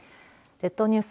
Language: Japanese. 列島ニュース